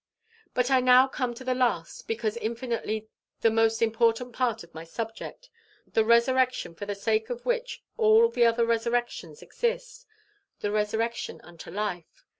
"But I now come to the last, because infinitely the most important part of my subject the resurrection for the sake of which all the other resurrections exist the resurrection unto Life.